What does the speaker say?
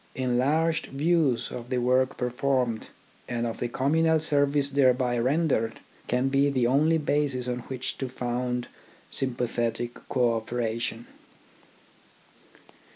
Enlarged views of the work performed, and of the communal service thereby rendered, can be the only basis on which to found sympathetic co operation.